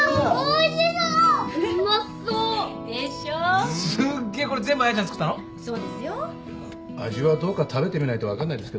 いや味はどうか食べてみないと分かんないですけどね。